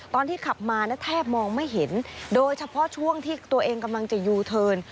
แทบมองไม่เห็นโดยเฉพาะช่วงที่ตัวเองกำลังจะยูเทิน